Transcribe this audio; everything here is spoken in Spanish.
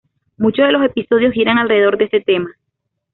Muchos de los episodios giran alrededor de este tema.